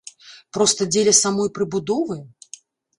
Проста дзеля самой прыбудовы?